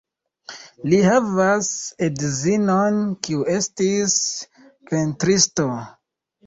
Li havas edzinon, kiu estis pentristo.